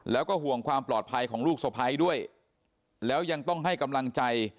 แล้วก็ห่วงความปลอดภัยของลูกสะพ้ายด้วยแล้วยังต้องให้กำลังใจ